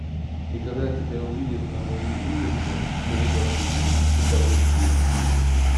и когда тебя увидят на углу улицы, то либо сбегут, либо выстрелят.